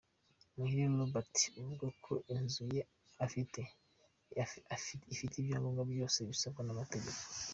Muhire Norbert avuga ko inzu ye ifite ibyangombwa byose bisabwa n’amategeko.